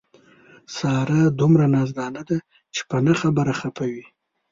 ساره دومره نازدان ده په نه خبره خپه وي.